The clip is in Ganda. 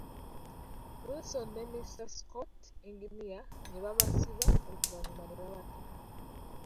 Wilson ne Mr.Scott, engineer ne babasiba, oluvannyuma ne babatta.